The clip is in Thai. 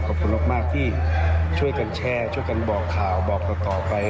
ขอบคุณมากที่ช่วยกันแชร์ช่วยกันบอกข่าวบอกต่อไป